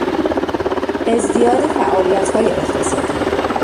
ازدیاد فعالیتهای اقتصادی